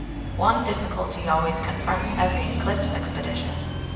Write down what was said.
One difficulty always confronts every eclipse expedition.